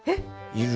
いる。